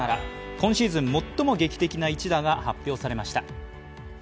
今シーズン、最も劇的な一打が発表されました。